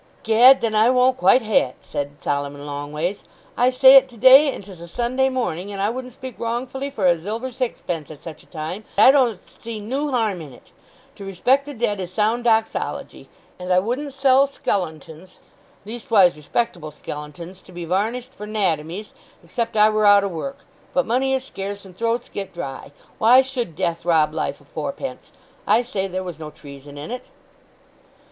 "Gad, then I won't quite ha'e it," said Solomon Longways. "I say it to day, and 'tis a Sunday morning, and I wouldn't speak wrongfully for a zilver zixpence at such a time. I don't see noo harm in it. To respect the dead is sound doxology; and I wouldn't sell skellintons—leastwise respectable skellintons—to be varnished for 'natomies, except I were out o' work. But money is scarce, and throats get dry. Why should death rob life o' fourpence? I say there was no treason in it."